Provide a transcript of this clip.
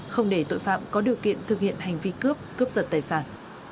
không để tội phạm có điều kiện thực hiện hành vi cướp cướp giật tài sản